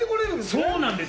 そうなんです。